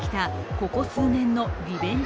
ここ数年のリベンジ